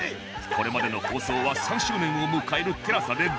これまでの放送は３周年を迎える ＴＥＬＡＳＡ でぜひ